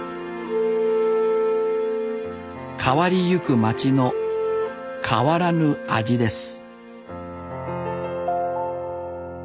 変わりゆく街の変わらぬ味です